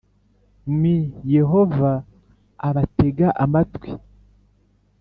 Ml Yehova abatega amatwi